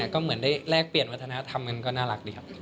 ก็เหมือนได้แลกเปลี่ยนวัฒนธรรมกันก็น่ารักดีครับ